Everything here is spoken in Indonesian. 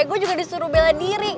gue juga disuruh bela diri